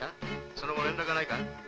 その後連絡はないか？